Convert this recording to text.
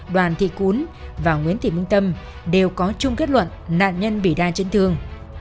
đoàn thị cún và nguyễn thị minh tâm đều có chung kết luận nạn nhân bị đa chấn thương